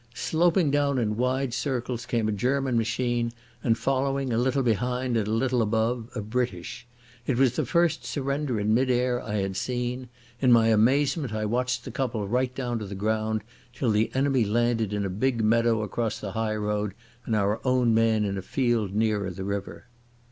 Sloping down in wide circles came a German machine, and, following, a little behind and a little above, a British. It was the first surrender in mid air I had seen. In my amazement I watched the couple right down to the ground, till the enemy landed in a big meadow across the high road and our own man in a field nearer the river.